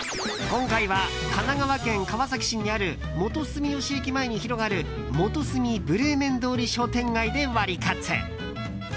今回は神奈川県川崎市にある元住吉駅前に広がるモトスミ・ブレーメン通り商店街でワリカツ。